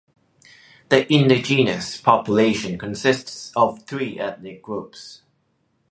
The indigenous population consists of three ethnic groups.